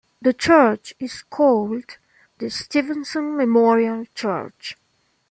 The Church is called the Stevenson Memorial Church.